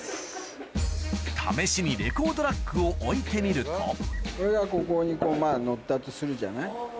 試しにレコードラックを置いてみるとこれがここにこう載ったとするじゃない。